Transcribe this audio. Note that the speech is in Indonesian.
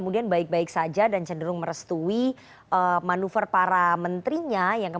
dan penjagalan para menteri tapi yang